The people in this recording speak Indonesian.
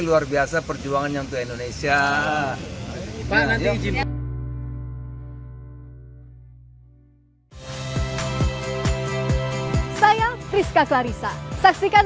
luar biasa perjuangan yang untuk indonesia